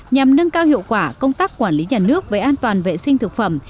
nhằm nâng cao hiệu quả công tác quản lý nhà nước về an toàn vệ sinh thực phẩm